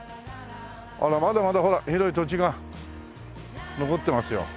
あらまだまだほら広い土地が残ってますよ。